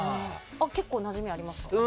結構なじみありますか？